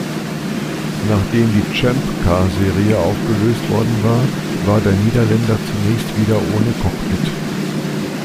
Nachdem die Champ-Car-Serie aufgelöst worden war, war der Niederländer zunächst wieder ohne Cockpit.